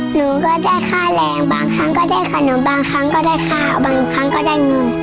หนูก็ได้ค่าแรงบางครั้งก็ได้ขนมบางครั้งก็ได้ค่าบางครั้งก็ได้เงิน